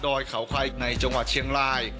ดอยเขาไข่ในจังหวัดเชียงราย